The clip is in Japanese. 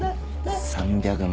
３００万